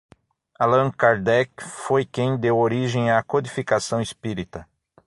Allan Kardec foi quem deu origem à codificação espírita